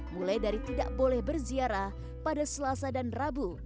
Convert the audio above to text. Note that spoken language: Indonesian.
mulai dari tidak boleh berziarah pada selasa dan rabu